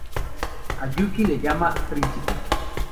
A Yuki le llama "príncipe".